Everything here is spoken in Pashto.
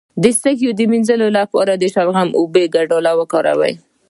د سږو د مینځلو لپاره د شلغم او اوبو ګډول وکاروئ